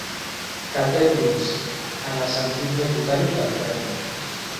Que té pins, en el sentit més botànic del terme.